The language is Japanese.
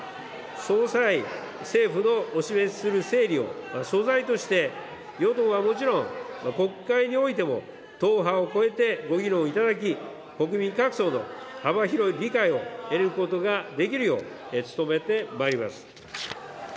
その際、政府のお示しする整理を素材として与党はもちろん、国会においても党派を超えてご議論いただき、国民各層の幅広い理解を得ることができるよう努めてまいります。